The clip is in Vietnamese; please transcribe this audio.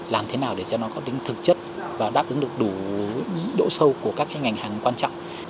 làm thế nào để cho nó có tính thực chất và đáp ứng được đủ độ sâu của các cái ngành hàng quan trọng